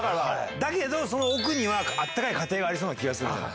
だけどその奥には温かい家庭がありそうな気がするじゃない。